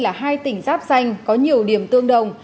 là hai tỉnh giáp danh có nhiều điểm tương đồng